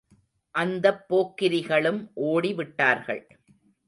அந்தப் போக்கிரிகளும் ஓடி விட்டார்கள்.